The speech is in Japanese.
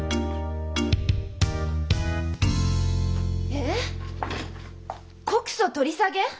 ええっ？告訴取り下げ！？